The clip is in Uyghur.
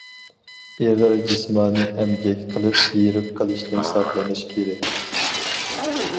ئېغىر جىسمانىي ئەمگەك قىلىپ ھېرىپ قېلىشتىن ساقلىنىش كېرەك.